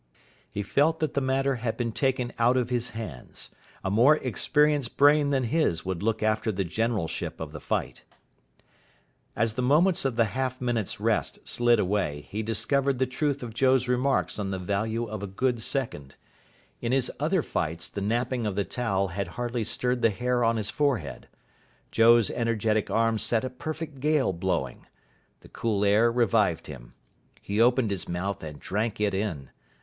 He felt that the matter had been taken out of his hands. A more experienced brain than his would look after the generalship of the fight. As the moments of the half minute's rest slid away he discovered the truth of Joe's remarks on the value of a good second. In his other fights the napping of the towel had hardly stirred the hair on his forehead. Joe's energetic arms set a perfect gale blowing. The cool air revived him. He opened his mouth and drank it in.